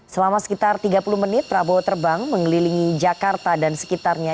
selama sekitar tiga puluh menit prabowo terbang mengelilingi jakarta dan sekitarnya